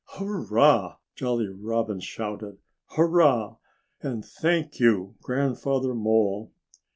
"Hurrah!" Jolly Robin shouted. "Hurrah and thank you, Grandfather Mole!"